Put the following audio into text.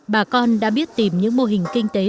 bà con đã biết tìm những mô hình kinh tế